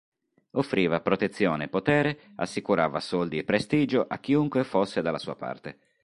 Offriva protezione e potere, assicurava soldi e prestigio a chiunque fosse dalla sua parte.